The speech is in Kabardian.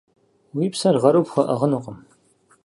Уи псэр гъэру пхуэӏыгъынукъым.